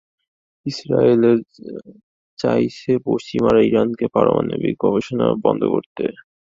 Israel চাইছে, পশ্চিমারা ইরানকে পারমাণবিক গবেষণার কাজ বন্ধ করতে বাধ্য করুক।